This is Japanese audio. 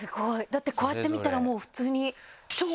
だってこうやって見たらもう普通に。